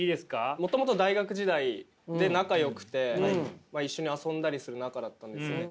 もともと大学時代で仲よくて、一緒に遊んだりする仲だったんですね。